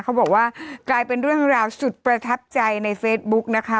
เขาบอกว่ากลายเป็นเรื่องราวสุดประทับใจในเฟซบุ๊กนะคะ